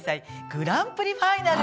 グランプリファイナル。